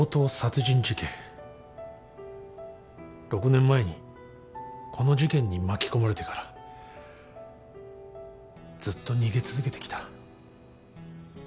６年前にこの事件に巻き込まれてからずっと逃げ続けてきた。